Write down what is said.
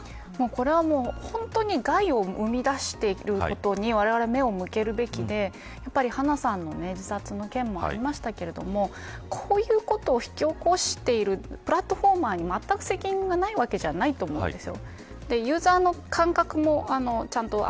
これは本当に害を生み出していることに目を向けるべきで花さんの自殺の件もありましたがこういうことを引き起こしているプラットフォーマーにまったく責任がないわけじゃないと思います。